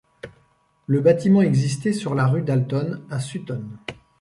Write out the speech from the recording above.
Le bâtiment existait sur la rue Dalton, à Sutton.